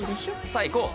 さあ行こう！